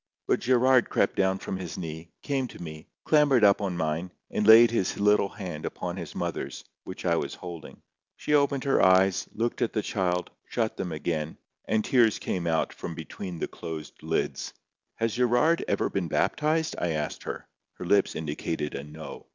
But Gerard crept down from his knee, came to me, clambered up on mine, and laid his little hand upon his mother's, which I was holding. She opened her eyes, looked at the child, shut them again, and tears came out from between the closed lids. "Has Gerard ever been baptized?" I asked her. Her lips indicated a NO.